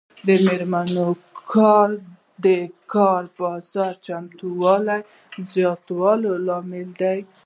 د میرمنو کار د کار بازار چمتووالي زیاتولو لامل دی.